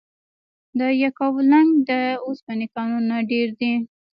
د یکاولنګ د اوسپنې کانونه ډیر دي؟